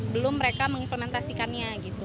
belum mereka mengimplementasikannya gitu